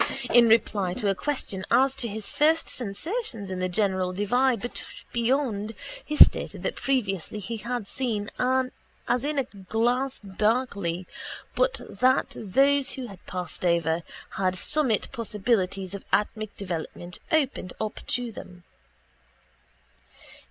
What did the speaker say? In reply to a question as to his first sensations in the great divide beyond he stated that previously he had seen as in a glass darkly but that those who had passed over had summit possibilities of atmic development opened up to them.